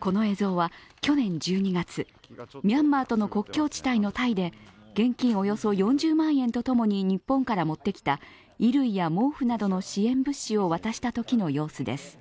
この映像は去年１２月、ミャンマーとの国境地帯のタイで現金およそ４０万円と共に日本から持ってきた衣類や毛布などの支援物資を渡したときの様子です。